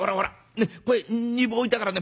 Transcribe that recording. ねっこれ２分置いたからね。